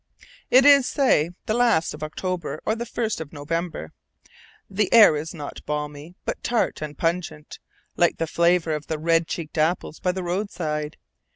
It is, say, the last of October or the first of November. The air is not balmy, but tart and pungent, like the flavor of the red cheeked apples by the roadside.